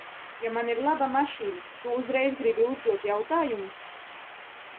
Ja man ir laba mašīna, tu uzreiz gribi uzdot jautājumus?